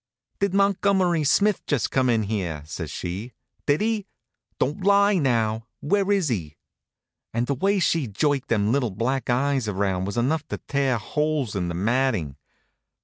"Did Montgomery Smith just come in here?" says she. "Did he? Don't lie, now! Where is he?" and the way she jerked them little black eyes around was enough to tear holes in the matting.